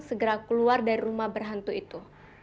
segera keluar dari rumah berhantu itu